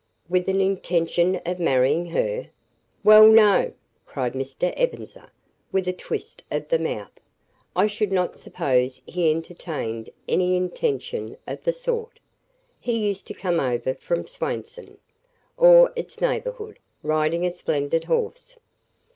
"With an intention of marrying her?" "Well no," cried Mr. Ebenezer, with a twist of the mouth; "I should not suppose he entertained any intention of the sort. He used to come over from Swainson, or its neighborhood, riding a splendid horse."